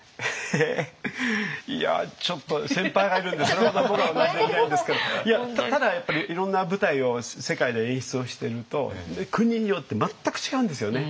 えいやちょっと先輩がいるんでそれほど僕はお話しできないんですけどただやっぱりいろんな舞台を世界で演出をしてると国によって全く違うんですよね。